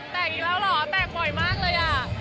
อีกแล้วเหรอแตกบ่อยมากเลยอ่ะ